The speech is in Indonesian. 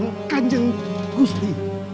meremehkan ganjin gusti